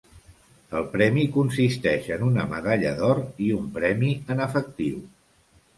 El premi consisteix en una medalla d'or i un premi en efectiu.